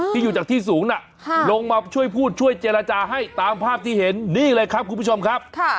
ที่อยู่จากที่สูงลงมาช่วยพูดช่วยเจรจาให้ตามภาพที่เห็นนี่เลยครับคุณผู้ชมครับ